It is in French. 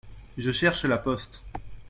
Je cherche la poste.